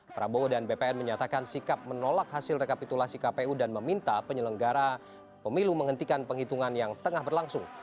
prabowo dan bpn menyatakan sikap menolak hasil rekapitulasi kpu dan meminta penyelenggara pemilu menghentikan penghitungan yang tengah berlangsung